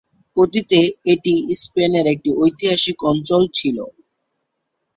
অতীতে এটি স্পেনের একটি ঐতিহাসিক অঞ্চল ছিল।